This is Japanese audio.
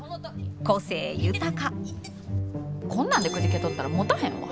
こんなんでくじけとったらもたへんわ。